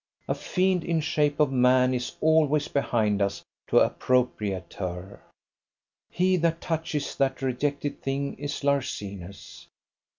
A fiend in shape of man is always behind us to appropriate her. He that touches that rejected thing is larcenous.